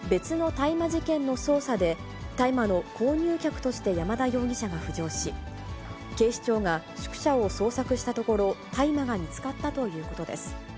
別の大麻事件の捜査で大麻の購入客として山田容疑者が浮上し、警視庁が宿舎を捜索したところ、大麻が見つかったということです。